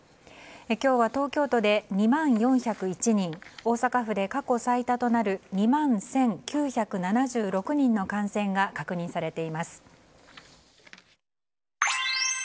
今日は東京都で２万４０１人大阪府で過去最多となる２万１９７６人の感染が確認されています。